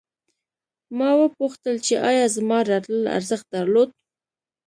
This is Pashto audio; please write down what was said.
ما وپوښتل چې ایا زما راتلل ارزښت درلود